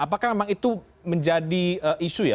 apakah memang itu menjadi isu ya